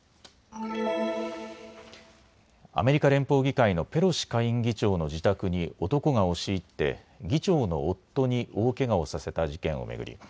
アメリカ連邦議会のペロシ下院議長の自宅に男が押し入って議長の夫に大けがをさせた事件を巡り